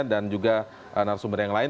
dan juga narasumber yang lain